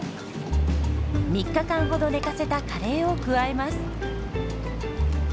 ３日間ほど寝かせたカレーを加えます。